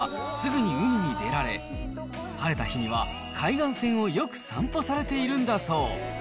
家から少し歩けばすぐに海に出られ、晴れた日には、海岸線をよく散歩されているんだそう。